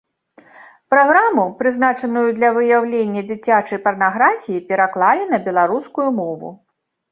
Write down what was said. Праграму, прызначаную для выяўлення дзіцячай парнаграфіі, пераклалі на беларускую мову.